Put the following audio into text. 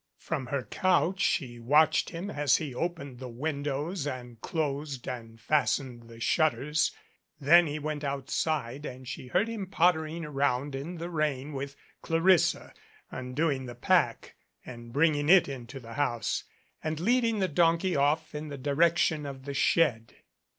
From her couch she watched him as he opened the windows and closed and fastened the shutters. Then he went outside and she heard him pottering around in the rain with Clarissa, 222 THE 1EMPTT HOUSE undoing the pack and bringing it into the house, and lead ing the donkey off in the direction of the shed.